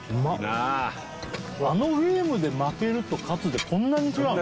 あのゲームで負けると勝つでこんなに違うの？